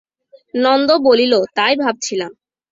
নন্দ বলিল, তাই ভাবছিলাম।